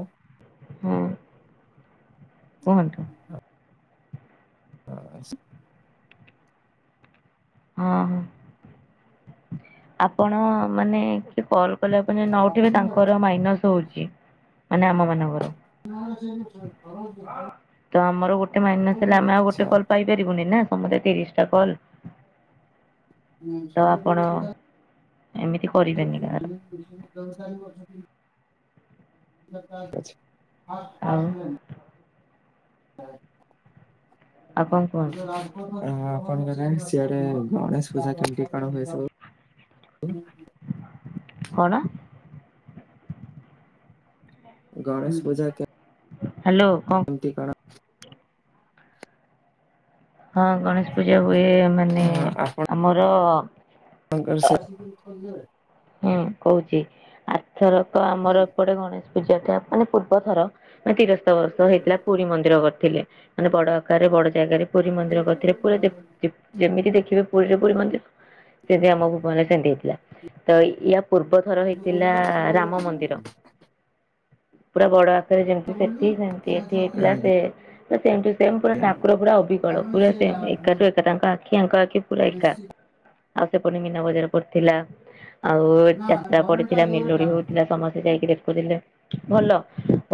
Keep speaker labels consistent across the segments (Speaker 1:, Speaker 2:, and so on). Speaker 1: ଉଁ।
Speaker 2: ହୁଁ କୁହନ୍ତୁ?
Speaker 1: ହ [unintelligible]
Speaker 2: ହଁ ହଁ। ଆପଣ ମାନେ କିଏ କଲ କଲେ ଆପନ ନ ଉଠିବେ ତାଙ୍କର ମାଇନସ ହଉଛି। ମାନେ ଆମ ମାନଙ୍କର।
Speaker 1: [unintelligible]
Speaker 2: ତ ଆମର ଗୋଟେ ମାଇନସ ହେଲେ
Speaker 1: ଆପଣଙ୍କ
Speaker 2: ଆମେ ଆଉ ଗୋଟେ କଲ ପାଇପାରିବୁନି ନା ସମୁଦାୟ ତିରିଶ ଟା କଲ।
Speaker 1: [unintelligible]
Speaker 2: ଏମିତି କରିବେନି କାହାର
Speaker 1: [unintelligible] [unintelligible] ହଁ
Speaker 2: ଆଉ
Speaker 1: ଆପଣଙ୍କ
Speaker 2: ଆଉ କଣ କୁହନ୍ତୁ?
Speaker 1: ଆଡେ ସିଆଡେ ଗଣେଶ ପୂଜା କେମିତି କଣ ହୁଏ ସବୁ? [unintelligible]
Speaker 2: କଣ?
Speaker 1: ଗଣେଷ ପୂଜା କେ
Speaker 2: ହ୍ୟାଲୋ କଁ
Speaker 1: କେମତି କଣ?
Speaker 2: ହଁ ଗଣେଶ ପୂଜା ହୁଏ ମାନେ ଆମର ଅ
Speaker 1: ଆଙ୍କର ସା
Speaker 2: ହୁଁ କହୁଛି ଆର ଥରକ ଆମର ଏପଟେ ଗଣେଶ ପୂଜା ଟା ମାନେ ପୂର୍ବ ଥର ତିରସ୍ତ ବର୍ଷ ହେଇଥିଲା ପୁରୀ ମନ୍ଦିର କରିଥିଲେ ମାନେ ବଡ ଆକାରରେ ବଡ ଜାଗାରେ ପୁରୀ ମନ୍ଦିର କରିଥିଲେ ପୁରା ଯେ ପ୍ ଯେ ପ୍ ଯେମିତି ଦେଖିବେ ପୁରୀରେ ପୁରୀ ମନ୍ଦିର ସେମତି ଆମକୁ ଭୁବନରେ ସେମିତି ହେଇଥିଲା। ତ ୟା ପୂର୍ବ ଥର ହେଇଥିଲା ରାମ ମନ୍ଦିର। ପୁରା ବଡ ଆକାରରେ ଯେମିତି ସେଠି ସେମିତି ଏଠି ହେଇଥିଲା ସେ ପୁରା ସେମ ଟୁ ସେମ ପୁରା ଠାକୁର ପୁରା ଅବିକଳ ପୁରା ସେମ ଏକାଠୁ ଏକା ତାଙ୍କ ଆଖିଙ୍କ ଆଖି ପୁରା ଏକା ଆଉ ସେପଟେ ମୀନା ବଜାର ପଡଥିଲା। ଆଉ ଯାତ୍ରା ପଡିଥିଲା ମିଲୋଡି ହଉଥିଲା ସମସ୍ତେ ଯାଇକି ଦେଖୁଥିଲେ ଭଲ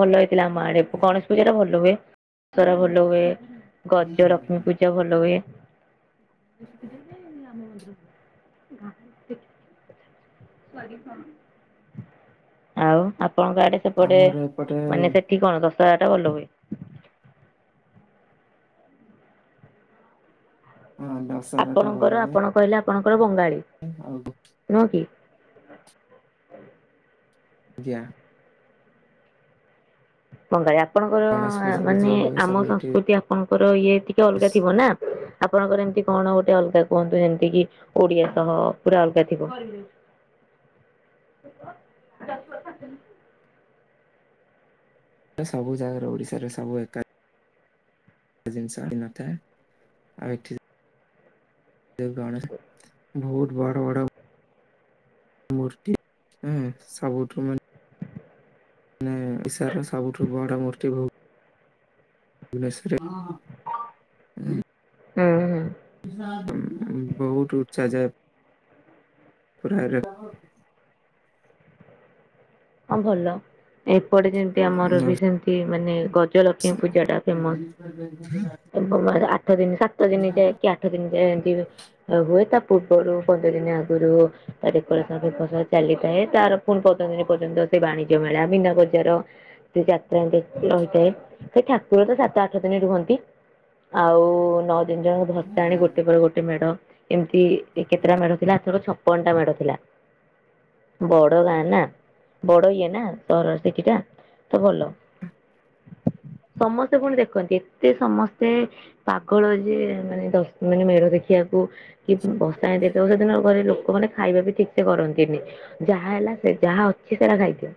Speaker 2: ଭଲ ହେଇଥିଲା ଆମ ଆଡେ ଗଣେଶ ପୂଜା ଟା ଭଲ ହୁଏ ଦସରା ଭଲ ହୁଏ ଗଜ ଲକ୍ଷ୍ମୀ ପୂଜ ଜା ଭଲ ହୁଏ। ଶନି ମନ୍ଦିର [unintelligible] ଆଉ ଆପଣଙ୍କ ଆଡେ ସେପଟେ
Speaker 1: ଆମର ଏପଟେ
Speaker 2: ମାନେ ସେ ଠି କଣ ଦଶହାରା ଟା ଭଲ ହୁଏ?
Speaker 1: ହଁ [unintelligible]
Speaker 2: ଆପଣଙ୍କର ଆପଣ କହିଲେ ଆପଣଙ୍କର ବଙ୍ଗାଳୀ।
Speaker 1: ହ ଆଉ [unintelligible]
Speaker 2: ନୁହଁ କି?
Speaker 1: ଆଜ୍ଞା
Speaker 2: ବଙ୍ଗାଳି ଆପଣଙ୍କର
Speaker 1: ଗଣେଶ ପୂଜା ବି
Speaker 2: ମାନେ
Speaker 1: ଯୋଉ ହୁଏ ସବୁ
Speaker 2: ଆମ
Speaker 1: ଏଠି
Speaker 2: ସଂସ୍କୃତି ଆପଣଙ୍କର ଇଏ ଟିକେ ଅଲଗା ଥିବ ନା। ଆପଣଙ୍କର ଏମତି କଣ ଗୋଟେ ଅଲଗା କୁହନ୍ତୁ, ଯେମିତି କିି ଓଡିଆ ସହ ପୁରା ଅଲଗା ଥିବ।
Speaker 1: ସବୁ ଜାଗାରେ ଓଡିଶାରେ ସବୁ ଏକା। ଜିନିଷ ଏଠି ନ ଥାଏ ଆଉ ଏଠି ଦେବ ଗଣେଶ ବହୁତ ବଡ ବଡ ମୂର୍ତ୍ତିି [unintelligible] ସବୁଠୁ ମାନେ ମାନେ ଓଶାର ସବୁଠୁ ବଡ ମୂର୍ତ୍ତି ଭୁବ [unintelligible] ନେଶର ରେ।
Speaker 2: ଉଁ ହୁଁ
Speaker 1: ବହୁତ ଉଚ୍ଚା ଯାଏ। ପୁରା ଏ [unintelligible] ରେ
Speaker 2: ହଁ ଭଲ ଏପଟେ ଯେମିତି ଆମର ବି ସେମତି ମାନେ ଗ ଜଲକ୍ଷ୍ମୀ ପୂଜା ଟା ଫେମସ ଏବଂ ଆଠ ଦିନ ସାତ ଦିନ ଯାଇକି ଆଠ ଦିନ ଯାଏ ଏମିତି ହୁଏ ତା ପୂର୍ବରୁ ପନ୍ଦର ଦିନ ଆଗରୁ [unintelligible] ଦେ ଚାଲିଥାଏ ତାର ପୁଣି ପାଉଛନ୍ତି। ପର୍ଯ୍ୟନ୍ତ ସେ ବାଣିଜ୍ୟ ମେଳା ମିନା ବଜାର। ଯାତ୍ରା ଦେକି ରହିଥାଏ ସେ ଠାକୁର ତ ସାତ ଆଠ ଦିନ ରୁହନ୍ତି। ଆଉ ନ ଜତିନି ଜଣ ଭସାଣୀ ଆଣି ଗୋଟେ ପରେ ଗୋଟେ ମେଢ ଏମିତି ଏ କେତେଟା ମେଢ ଥିଲା ଆର ଥରକ ଛ ପନ ଟା ମେଢ଼ ଥିଲା ବଡ଼ ଗାଁ ନା। ବଡ ଇଏ ନା ସହରର ସେଠି କା ତ ଭଲ। ସମସ୍ତେ ପୁଣି ଦେଖନ୍ତି ଏତେ ସମସ୍ତେ ପାଗଳ ଯେ ମାନେ ମାନେ ମେଢ ଦେଖିବାକୁ କି ଭସାଣି ଯେଦିନ ସେଦିନ ଘରେ ଲୋକମାନେ ଖାଇବା ବି ଠିକ ସେ କରନ୍ତିନି। ଯାହା ହେଲା ସେ ଯାହା ଅଛି ସେଟା ଖାଇଦିଅ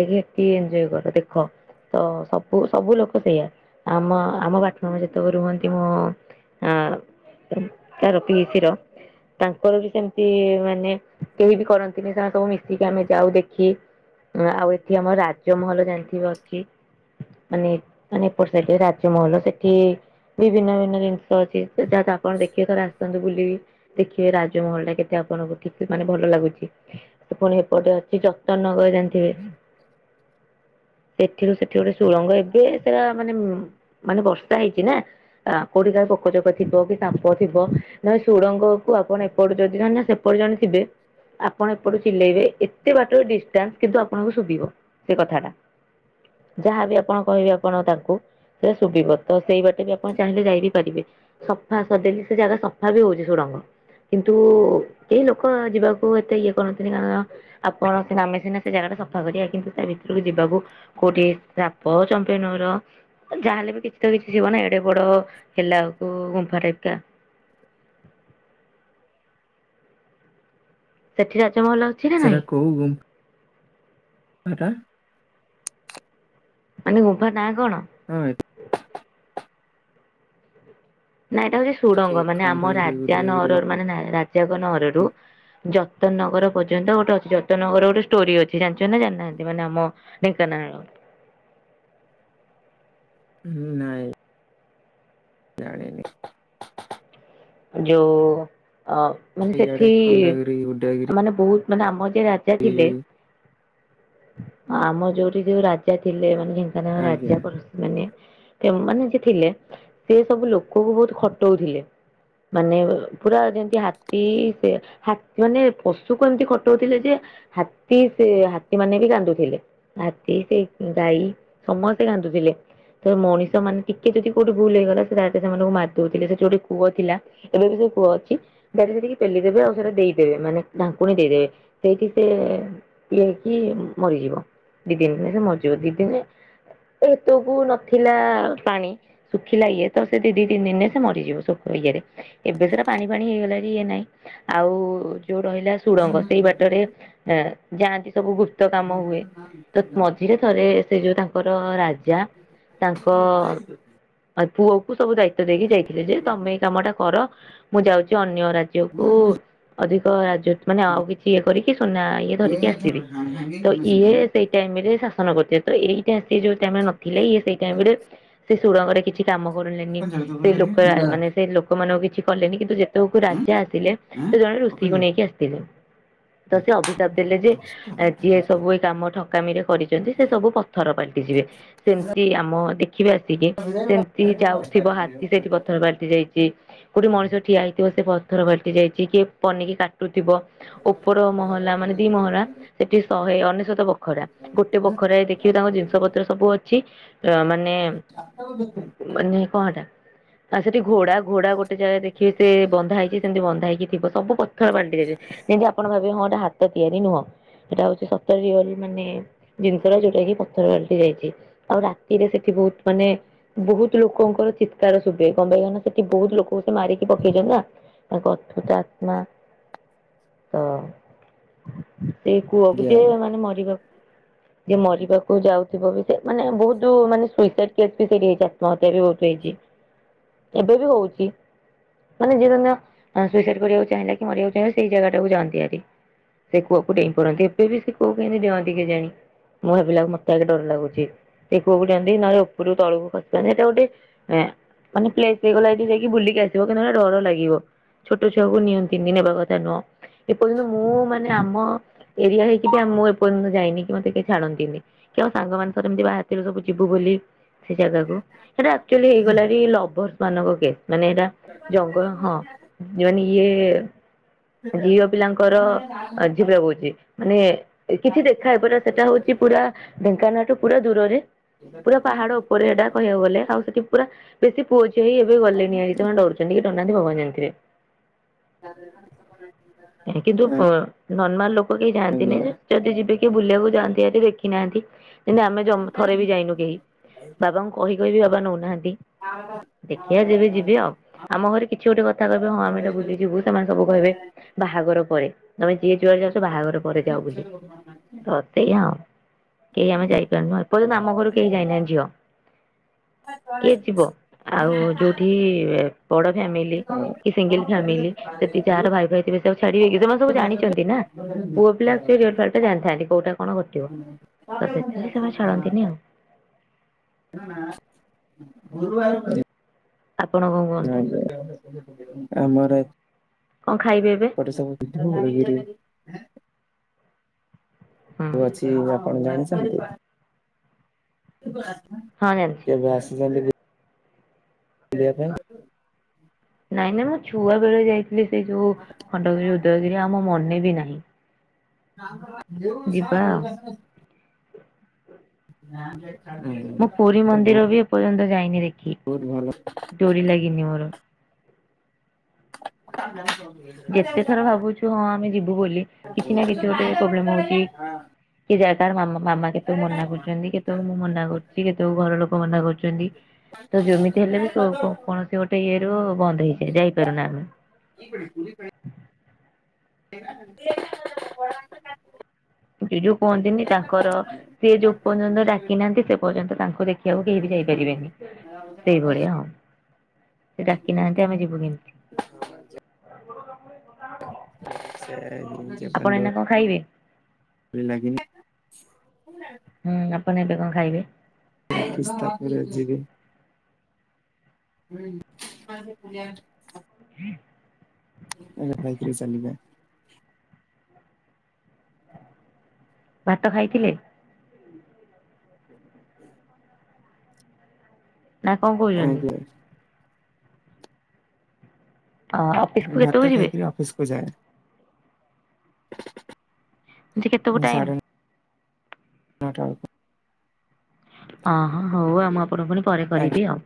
Speaker 2: ଦେଖ ଏତିକ ଏନଜୟ କର ଦେଖ। ତ ସବୁ ସବୁ ଲୋକ ସେଇଆ ଆମ ଆମ ବାଟରେ ଯେତେବେଳେ ରୁହନ୍ତି ମୁ ଅଁ- ତାର ପିଇସିି ର। ତାଙ୍କର ବି ସେମିତି ମାନେ କେହି ବି କରନ୍ତିନି ସେମାନେ ସବୁ ମିଶିକି ଆମେ ଯାଉ ଦେଖ୍ ଖି ଅ-ଆଉ ଏଠି ଆମର ରାଜମହଲ ଜାଣିଥିବେ ଅଛି ମାନେ -ମାନେ ଏପଟ୍ ସାଇଟ୍ ରେ ରାଜମହଲ ସେଠି ବିଭିନ୍ନ ଭିନ୍ନ ଜିନିଷ ଅଛି ଯାଆନ୍ତୁ ଆପଣ ଦେଖିବେ ଥରେ ଆସନ୍ତୁ ବୁଲିକି ଦେଖିବେ ରାଜମହଲ୍ ଟା କେତେ ଆପଣଙ୍କୁ ଠିକ୍- ମାନେ ଭଲ ଲାଗୁଚି ପୁଣି ଏପଟେ ଅଛି ଜ ତନଗର ଜାଣିଥିବେ ସେଠିରୁ -ସେଠି ଗୋଟେ ସୁଳଙ୍ଗ ଏବେ ସେଟା ମାନେ -ମାନେ ବର୍ଷା ହେଇଚି ନା ଆ-କଉଠିକା ପୋକଜୋକ ଥିବ କି ସାପ ଥିବ ନହେଲେ ସୁଡ଼ଙ୍ଗ କୁ ଆପଣ ଏପଟୁ ଯଦି ମାନେ ସେପ୍ ସେପର୍ଯ୍ୟନ୍ତ ଥିବେ ଆପଣ ଏପଟୁ ଚିଲେଇବେ ଏ-ଏ- ଏତେ ବାଟ୍ ଟ ଡିଷ୍ଟାନ୍ସ୍ କିନ୍ତୁ ଆପଣଙ୍କୁ ଶୁବିବ ସେ କଥାଟା। ଯାହା ବିି ଆପଣ କହିବେ ଆପଣ ତାଙ୍କୁ ସେ ଶୁବିବ। ତ ସେଇ ବାଟେ ବି ଆପଣ ଚାହିଁଲେ ଯାଇ ବିି ପାରିବେ ସଫା ସଦେଇଲି ସେ ଜାଗା ସଫା ବି ହଉଚି ସୁଡ଼ଙ୍ଗ। କିନ୍ତୁ କେହି ଲୋକ ଯିବାକୁ ଏତେ ଇଏ କରନ୍ତିନି କାରଣ କଣ ଅଛି ନା ଆମେ ସିନା ସେ ଜାଗା ଟା ସଫା କରିବା କିନ୍ତୁ ସେ ଭିତରୁକୁ ଯିବାକୁ କଉଠି ସାପ, ଚମ୍ପେଇ ନୁର ଯାହା ହେଲେ ବି କିଛି ତ କିଛି ଥିବ ନା ଏଡେ ବଡ ହେଲାଉକୁ ଗୁମ୍ଫା ରେ ଏକା ସେଠି ରାଜମହଲ ଅଛି ନା
Speaker 1: ସେରା
Speaker 2: ନାଇଁ
Speaker 1: କଉ ଗୁ ମ୍ଫା ଟା?
Speaker 2: ମାନେ ଗୁମ୍ଫା ନାଁ କଣ?
Speaker 1: [unintelligible]
Speaker 2: ନା ଏଟା ହଉଚି
Speaker 1: ଏଠି
Speaker 2: ସୁଡଙ୍ଗ ମାନେ ଆମ
Speaker 1: ଖଣ୍ଡଗିରି
Speaker 2: ରାଜା
Speaker 1: ଉଦୟଗିରି
Speaker 2: ନଅରରୁ-ମାନେ ରା-ରାଜାଙ୍କ ନଅର ରୁ ଜତନ୍ ନଗର ପର୍ଯ୍ୟନ୍ତ ଗୋଟେ ଅଛି ଜତନ୍ ନଗରର ଗୋଟେ ଷ୍ଟୋରି ଅଛି ଜାଣିଚନ୍ତି ନା ଜାଣିନାହାନ୍ତି ମାନେ ଆମ ଢେଙ୍କାନାଳ।
Speaker 1: ହୁଁ- ନାଇଁ। ଜାଣିନି।
Speaker 2: ଯଉ ଅ-ମାନେ
Speaker 1: ଇଆଡେ
Speaker 2: ସେଠି
Speaker 1: ଖଣ୍ଡଗିରି ଉଦୟଗିରି
Speaker 2: ମାନେ ବହୁତ୍ ମାନେ ଆମର ଯିଏ ରାଜା ଥିଲେ ଆମ ଯଉଠି ଯଉ ରାଜା ଥିଲେ ମାନେ ଢେଙ୍କାନାଳ
Speaker 1: ଆଜ୍ଞା।
Speaker 2: ରାଜା ପରୁସ୍ ମାନେ ଏମାନେ ଯିଏ ଥିଲେ ସିଏ ସବୁ ଲୋକକୁ ବହୁତ୍ ଖଟଉଥିଲେ। ମାନେ ପୁରା ଯେନ୍ତି ହାତୀ ସେ ହାତ୍-ମାନେ ପଶୁକୁ ଏମିତି ଖଟଉଥିଲେ ଯେ ହାତୀ ସେ ହାତୀ ମାନେ ବି କାନ୍ଦୁଥିଲେ। ହାତୀ ସେ ଗାଈ ସମସ୍ତେ କାନ୍ଦୁଥିଲେ। ତ ମଣିଷ ମାନେ ଟିକେ ଯଦି କଉଠି ଭୁଲ୍ ହେଇଗଲା ସେ ଡାରେକ୍ଟ ସେମାନଙ୍କୁ ମାର୍ ଦଉଥିଲେ ସେଠି ଗୋଟେ କୂଅ ଥିଲା ଏବେ ବି ସେ କୂଅ ଅଛି। ଡାଇରେକ୍ଟେ ସେଠିକି ପେଲିଦେବେ ଆଉ ସେଟା ଦେଇଦେବେ ମାନେ ଢାଙ୍କୁଣୀ ଦେଇଦେବେ ସେଇଠି ସେ ପିଇକି ମରିଯିବ ଦି ଦିନି ରେ ସେ ମରିଯିବ ଦି ଦିନିରେ ସେତକୁ ନଥିଲା ପାଣି। ଶୁଖିଲା ଇଏ ତ ସେ ଦି- ଦି -ତିନି ଦିନିରେ ସେ ମରିଯିବ ସୁଖ୍-ଇଏରେ। ଏବେ ସେଟା ପାଣି ଫାଣି ହେଇଗଲାଣି ଇଏ ନାହିଁ ଆଉ ଯଉ ରହିଲା ସୁଡ଼ଙ୍ଗ ସେଇ
Speaker 1: ଆଜ୍ଞା।
Speaker 2: ବାଟରେ ଏଁ-ଯାଆନ୍ତି ସବୁ ଗୁପ୍ତ କାମ ହୁଏ ତ ମଝିରେ ଥରେ ସେ ଯଉ ତାଙ୍କର ରାଜା ତାଙ୍କ ଆଁ -ପୁଅ କୁ ସବୁ ଦାୟିତ୍ଵ ଦେଇକି ଯାଇଥିଲେ ଯେ ତମେ ଏଇ କାମଟା କର ମୁଁ ଯାଉଚି ଅନ୍ୟ ରାଜ୍ ରାଜ୍ୟ କୁ ଅଧିକ ରାଜ୍ୟଟୁ ମାନେ ଆଉ କିଛି ଇଏ କରିକି ସୁନା ଇଏ ଧରିକି ଆସିବି ତ ଇଏ ସେଇ ଟାଇମ୍ ରେ ଶାସନ କରିଥିଲେ ତ ଏଇଟା ସେ ଯଉ ଟାଇମ୍ ରେ ନଥିଲେ ଇଏ ସେଇ ଟାଇମ୍ ରେ ସେ ସୁୁରଙ୍ଗରେ କିଛି କିଛି କାମ କରିଲେନି ସେ ଲୋକ ଆ-ମାନେ ସେ ଲୋକ ମାନଙ୍କୁ କିଛି କଲେନି କିନ୍ତୁ ଯେ ତଉ କୁ ରାଜା ଆସିଲେ ସେ ଜଣେ ଋଷିକୁ ନେଇକି ଆସିଥିଲେ ତ ସେ ଅଭିଶାପ୍ ଦେଲେ ଯେ ଏ-ଯିଏ ସବୁ ଏଇ କାମ ଠକାମି ରେ କରିଚି ଯଦି ସେ ସବୁ ପଥର ପାଲ୍ଟି ଯିବେ। ସେମିତି ଆମ ଦେଖିବା ଆସିକି, ସେମିତି ଯାଉଥିବ ହାତୀ ସେଇଠି ପଥର ପାଲଟି ଯାଇଛି। କୋଉଠି ମଣିଷ ଠିଆ ହେଇଥିବ ସେ ପଥର ପାଲଟି ଯାଇଛି କିଏ ପନିକି କାଟୁଥିବ ଉପର ମହଲା ମାନେ ଦି ମହଲା ସେଠି ଶହେ ଅନେଶତ ବଖରା ଗୋଟେ ବଖରାରେ ଦେଖିବ ତାଙ୍କ ଜିନିଷ ପତ୍ର ସବୁ ଅଛି। ମାନେ ମାନେ କଅଣ ହେଟା ସେଠି ଘୋଡ଼ା ଘୋଡା ଗୋଟେ ଜାଗାରେ ଦେଖିବେ ସେ ବନ୍ଧା ହେଇଛି ସେମିତି ବନ୍ଧା ହେଇକି ଥିବ ସବୁ ପଥର ପାଲଟି ଯାଇଛି ଯେମିତି ଆପଣ ଭାବିବେ ହଁ ତା ହାତ ତିଆରି ନୁହଁ। ସେଟା ହଉଛି ସତରେ ରିଅଲରେ ମାନେ ଜିନିଷଟା ଯୋଉଟା କି ପଥର ପାଲିଟି ଯାଇଛି ଆଉ ରାତିରେ ସେଠି ବହୁତ ମାନେ ବହୁତ ଲୋକଙ୍କର ଚିତ୍କାର ଶୁଭେ କଣ ପାଇଁ ନା ସେଠି ବହୁତ ଲୋକଙ୍କୁ ସେ ମାରିକି ପକେଇଛନ୍ତି ନାଙ୍କ ଅତୁପ୍ତ ଆତ୍ମା ତ ସେ କୂଅକୁ ଯେମାନେ ମରିବାକୁ ଯେ ମରିବାକୁ ଯାଉଥିବ ବି ସେମାନେ ବହୁତ ମାନେ ସୁଇସାଇଡି କେସ୍ ବି ସେଇଠି ହେଇଛି ଆତ୍ମହତ୍ୟା ବି ବହୁତ ହେଇଛି। ଏବେ ବି ହଉଛି। ମାନେ ଯେ ଧନ୍ୟ ଅ ସୁଇସାଇଡି କରିବାକୁ ଚାହିଁଲା କି ମରିବାକୁ ଚାହିଁଲା ସେଇ ଜାଗାଟାକୁୁ ଯାଆନ୍ତି ହାରି। ସେ କୂଅକୁ ଡେଇଁପଡ଼ନ୍ତି ଏବେ ବି ସେ କୁଅକୁ କେମିତି ଡିଅନ୍ତି କେଜାଣି? ମୁଁ ଭାବିଲା ଓଲୁକୁ ମତେ ଖାଲି ଡର ଲାଗୁଛି। ଦେଖଆକୁ ଯାଆନ୍ତି ନହେଲେ ଉପରୁ ତଳକୁ ଖସିଯାନ୍ତି ଏଇଟା ଗୋଟେ ଆ ମାନେ ପେସ୍ ସେଇ ଗଲା ଏଇଠି ଯାଇକି ବୁଲିକି ଆସିବ କିନ୍ତୁ ଡର ଲାଗିବ। ଛୋଟ ଛୁଆକୁ ନିଅନ୍ତିିନି ନେବା କଥା ନୁହଁ। ଏପର୍ଯ୍ୟନ୍ତ ମୁଁ ମାନେ ଆମ ଏରିଆ ହେଇକି ମୁଁ ଏପର୍ଯ୍ୟନ୍ତ ଯାଇନି କି ମତେ କେହି ଛାଡନ୍ତିନି। କି ଆଉ ସାଙ୍ଗ ମାନଙ୍କ ଏମିତି ବାହାରିଥିଲୁ ସବୁ ଯିବୁ ବୋଲି। ସେ ଜାଗାକୁ ସେଟା ଆକଚୁଆଲି ହେଇଗଲାଣି ଲଭର୍ସ ମାନଙ୍କ ପ୍ଲେସ୍ ମାନେ ଏଇଟା ଜଙ୍ଗଲ ହଁ ମାନେ ଇଏ ଝିଅପିଲାଙ୍କର ଆନ ଝିଅପିଲାକୁ କହୁଛି ମାନେ କିଛି ଦେଖା ହେବଟା ସେଟା ହଉଛି ପୁରା ଢେଙ୍କାନାଳ ଠୁ ପୁରା ଦୂରରେ। ପୁରା ପାହାଡ ଉପରେ ଏଇଟା କହିବାକୁ ଗଲେ ଆଉ ସେଠି ପୁରା ବେଶି ପୁଅ ଝିଅ ହିଁ ଏବେ ଗଲେଣିହାରି ତ ସେମାନେ ଡରୁଛନ୍ତି କି ଡରୁନାହଁନ୍ତି ଭଗବାନ ଜାଣିଥିବେ? କିନ୍ତୁ ନର୍ମାଲ ଲୋକ କେହି ଯାଆନ୍ତିନି
Speaker 1: ଆଜ୍ଞା।
Speaker 2: ଯେ ଯଦି ଯିବେ କି ବୁଲିବାକୁ ଯାଆନ୍ତିହାରି ଦେଖିନାହାନ୍ତି ଯେମିତି ଆମେ ଥରେ ବି ଯାଇନୁ କେହି। ବାବାଙ୍କୁ କହି କହିବି ବାବା ନଉନାହାନ୍ତି।
Speaker 1: ଆଉ
Speaker 2: ଦେଖିବା ଯେବେ ଯିବି ଆଉ ଆମ ଘରେ କିଛି ଗୋଟେ କଥା କହିବେ ହଁ ଆମେ ଏଟା ବୁଲିଯିବୁ ସେମାନେ ସବୁ କହିବେ ବାହାଘର ପରେ ତମେ ଯିଏ ଯୁଆଡେ ଯାଉଛ ବାହାଘର ପରେ ଯାଓ ବୁଲି ତ ସେଇ ଆଉ କେହି ଆମେ ଯାଇପାରୁନୁ ଏ ପର୍ଯ୍ୟନ୍ତ ଆମ ଘରୁ କେହି ଯାଇନାହାନ୍ତି ଝିଅ କିଏ ଯିବ? ଆଉ ଯୋଉଠି ବଡ ଫ୍ୟାମିଲି କି ସିଙ୍ଗଲ ଫ୍ୟାମିଲି ସେଠି ଯାହାର
Speaker 1: ଆଜ୍ଞା।
Speaker 2: ଭାଇ ଭାଇଥିବେ ଛାଡିବେ କି ସେମାନେ ସବୁ ଜାଣିଛନ୍ତି ନା ପୁଅ ପିଲା ସେ ରିଅଲ ଫ୍ୟାକ୍ଟ ଟା ଜାଣିଥାନ୍ତି କଉଟା କଣ କଣ ଘଟିବ ତ ସେଥିପାଇଁ ସେମାନେ ଛାଡ଼ନ୍ତିନି ଆଉ।
Speaker 1: ନା ଗୁରୁବାର ଉପରେ?
Speaker 2: ଆପଣ କଣ? କୁହନ୍ତୁ
Speaker 1: ଜୟ ଜଗନ୍ନାଥ ଆମର
Speaker 2: କଣ ଖାଇବେ ଏବେ?
Speaker 1: ସବୁ [inaudible]
Speaker 2: ହୁଁ
Speaker 1: ତ ଅଛି ଆପଣ ଜାଣିଛନ୍ତି?
Speaker 2: ହଁ ଜାଣିଛି।
Speaker 1: କେବେ ଆସିଛନ୍ତି? ବୁଲିବା ପାଇଁ
Speaker 2: ନାଇଁ ନାଇଁ ମୁଁ ଛୁଆ ବେଳେ ଯାଇଥିଲି ସେଇ ଯୋଉ ଖଣ୍ଡଗିରି ଉଦୟଗିରି ଆଉ
Speaker 1: ପାଇଁ?
Speaker 2: ମୋର ମନେ ବି ନାହିଁ।
Speaker 1: ଯୋଉ
Speaker 2: ଯିବା
Speaker 1: ସାଫେ
Speaker 2: ଆଉ ପୁରୀ ମନ୍ଦିର
Speaker 1: [inaudible]
Speaker 2: ବି ମୁଁ ଏପର୍ଯ୍ୟନ୍ତ ଯାଇନି ଦେଖି।
Speaker 1: ବହୁତ ଭଲ।
Speaker 2: ଡୋରି ଲାଗିିନି ମୋର। ଯେତେ ଥର ଭାବୁଛୁ ହଁ ଆମେ
Speaker 1: [inaudible]
Speaker 2: ଯିବୁ ବୋଲି କିଛି ନା କିଛି ଗୋଟେ ପ୍ରୋବ୍ଲେମ ହଉଛି
Speaker 1: [unintelligible]
Speaker 2: କି ଜାଗାର ମାମା କେତେବେଳେ ମନା କରୁଛନ୍ତି କେତେବେଳେ ମୁଁ ମନା କରୁଛି କେତେବେଳେ ଘର ଲୋକ ମନା କର ତ ଯେମିତି ହେଲେ ବି କୋ-କ-କୌଣସି ଗୋଟେ ଇଏ ରୁ ବନ୍ଦ ହେଇଯାଏ ଯାଇପାରୁନା ଆମେ।
Speaker 1: କି ପୁରୀ ପାଇଁ [inaudible]
Speaker 2: ଯୋଉ କୁହନ୍ତିନି ତାଙ୍କର ସେ ଯୋଉ ପର୍ଯ୍ୟନ୍ତ ଡାକି ନାହାନ୍ତି ସେ ପର୍ଯ୍ୟନ୍ତ ତାଙ୍କୁ ଦେଖି ଦେଖିବାକୁ କେହି ବି ଯାଇପାରିବେନି ସେଇଭଳିଆ ଆଉ ସେ ଡାକି ନାହାନ୍ତି ଆମେ ଯିବୁ କେମିତି?
Speaker 1: [inaudible] ସେ ଯେ
Speaker 2: ଆପଣ
Speaker 1: ପାଣ୍ଡୁ
Speaker 2: ଏଇନା କଣ ଖାଇବେ।
Speaker 1: ଡୋରି ଲାଗିନି। ହୁଁ।
Speaker 2: ହୁଁ ଆପଣ ଏବେ କଣ ଖାଇବେ?
Speaker 1: [inaudible] ହୁଁ [unintelligible]
Speaker 2: [inaudible] ଆଚ୍ଛା
Speaker 1: [unintelligible]
Speaker 2: ଭାତ ଖାଇଥିଲେ? ନା କଣ କହୁଛନ୍ତି?
Speaker 1: ଆଜ୍ଞା
Speaker 2: ଓ!
Speaker 1: ଭାତ ଖାଇକିରି ଅଫିସକୁୁ ଯାଏ।
Speaker 2: ଯେ କେତେକୁ
Speaker 1: ହଁ
Speaker 2: ଟାଇମ୍?
Speaker 1: ସାଡ଼େ ନଟା ବେଳକୁ
Speaker 2: ହଁ ହଁ ହଉ ଆଉ ମୁଁ ଆପଣଙ୍କୁ ପୁଣି ପରେ
Speaker 1: ଆଜ୍ଞା।
Speaker 2: କରିବି ଆଉ।